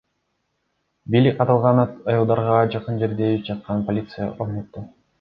Бийлик аталган айылдарга жакын жерде үч жаткан полиция орнотту.